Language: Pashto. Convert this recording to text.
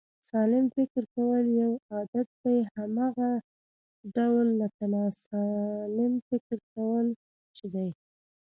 سالم فکر کول یو عادت دی، هماغه ډول لکه ناسلم فکر کول چې دی